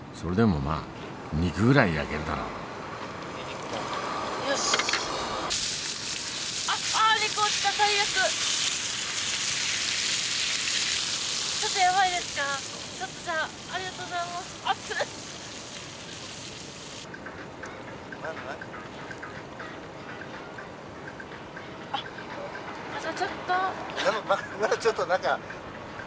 まだちょっと中。